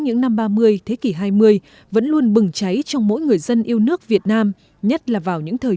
những năm ba mươi thế kỷ hai mươi vẫn luôn bừng cháy trong mỗi người dân yêu nước việt nam nhất là vào những thời